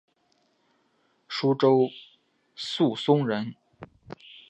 舒州宿松人。